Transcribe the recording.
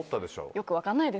俺もよく分からない。